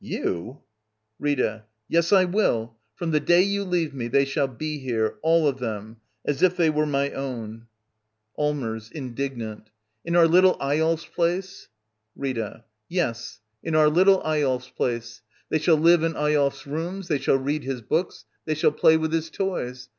You J Rita. Yes, I will ! From the day you leave me, they shall be here, all of them — as if they were my own. 107 Digitized by VjOOQIC LITTLE EYOLF ^ Act m. Allmers. [Indignant] In our little Eyolf's place? Rita. Yes, in our little Eyolf s place. They shall live in Eyolf s rooms. They shall read his books. They shall play with his toys.